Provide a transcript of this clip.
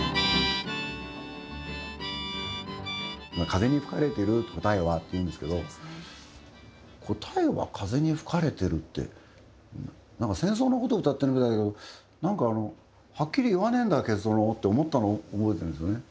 風に吹かれてる答えはって言うんですけど答えは風に吹かれてるってなんか、戦争のことを歌ってるみたいだけどなんか、はっきり言わねえんだ結論をって思ったのを覚えてるんですよね。